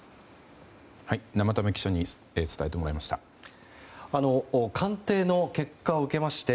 生田目記者に伝えてもらいました。